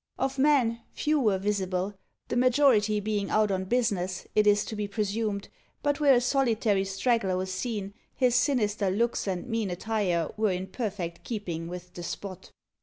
Of men, few were visible the majority being out on business, it is to be presumed; but where a solitary straggler was seen, his sinister looks and mean attire were in perfect keeping with the spot.